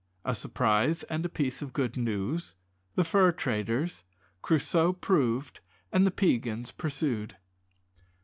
A surprise, and a piece of good news The fur traders Crusoe proved, and the Peigans pursued.